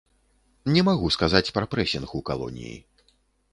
Не магу сказаць пра прэсінг у калоніі.